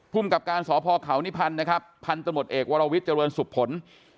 กับการสพเขานิพันธ์นะครับพันธมตเอกวรวิทย์เจริญสุขผล